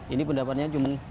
ini pendapatannya cuma